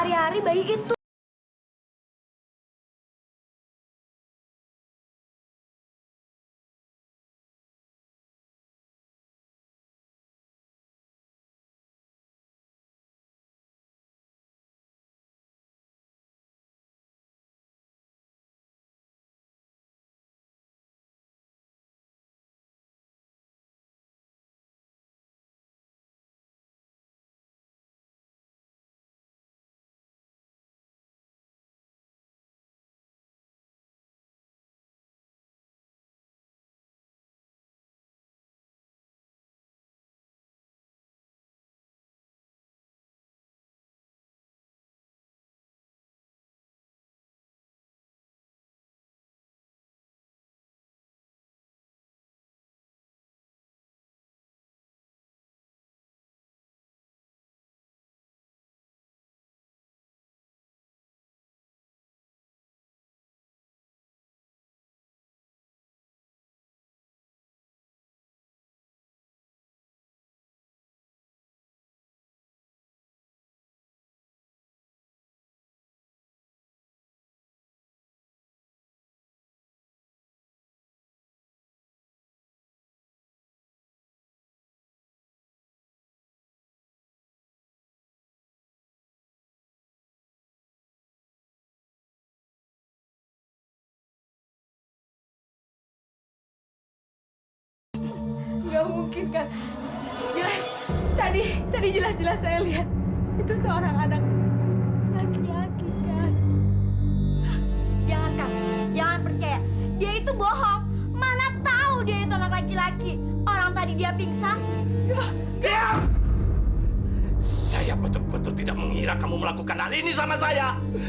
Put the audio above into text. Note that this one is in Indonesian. sampai jumpa di video selanjutnya